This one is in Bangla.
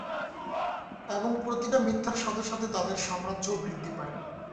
এবং প্রতিটা মিথ্যার সাথে সাথে, তাদের সাম্রাজ্যও বৃদ্ধি পায়।